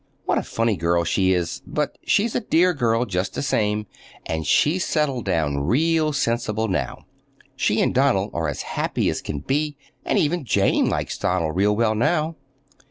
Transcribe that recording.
What a funny girl she is—but she's a dear girl, just the same, and she's settled down real sensible now. She and Donald are as happy as can be, and even Jane likes Donald real well now.